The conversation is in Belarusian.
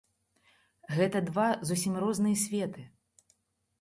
Гэта два зусім розныя светы.